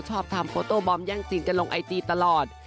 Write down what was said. ชอบทำโฟโต๊ะบอมย่างสินจะลงไอจิตลอด